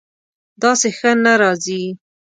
داسې ښه نه راځي